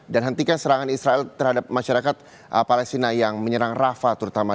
hentikan serangan israel terhadap masyarakat palestina yang menyerang rafa terutama